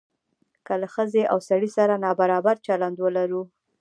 که له ښځې او سړي سره نابرابر چلند ولرو.